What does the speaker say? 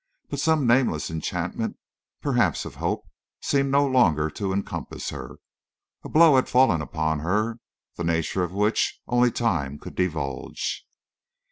But some nameless enchantment, perhaps of hope, seemed no longer to encompass her. A blow had fallen upon her, the nature of which only time could divulge.